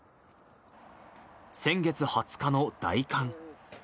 先月２０日の大寒。